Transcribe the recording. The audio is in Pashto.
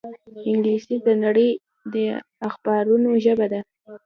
انګلیسي د نړۍ د اخبارونو ژبه ده